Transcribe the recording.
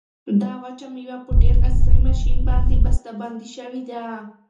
دا وچه مېوه په ډېر عصري ماشین باندې بسته شوې ده.